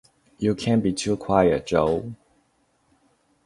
You can't be too quiet, Jo.